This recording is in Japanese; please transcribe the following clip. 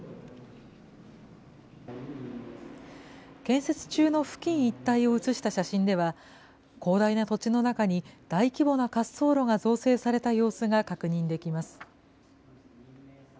建設中の付近一帯を写した写真では、広大な土地の中に大規模な滑走路が造成された様子が確認できます。